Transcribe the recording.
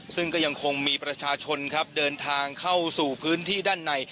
ซึ่งก็ยังคงมีประชาชนครับเดินทางเข้าสู่พื้นที่ด้านใน